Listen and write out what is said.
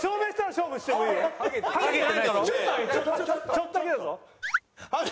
ちょっとだけだぞ。